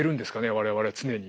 我々常に。